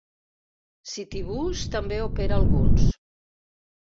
Citybus també opera alguns.